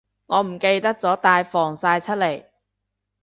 我唔記得咗帶防曬出嚟